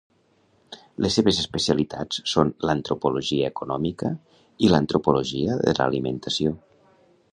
Les seves especialitats són l’antropologia econòmica i l'antropologia de l'alimentació.